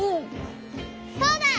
そうだ！